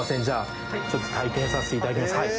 じゃあちょっと体験させて頂きます。